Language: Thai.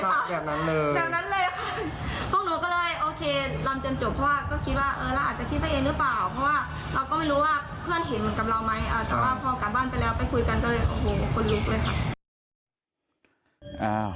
แต่ว่าพอกลับบ้านไปแล้วไปคุยกันก็เลยโอ้โฮคนลูกเลยค่ะ